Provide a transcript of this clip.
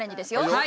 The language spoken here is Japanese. はい！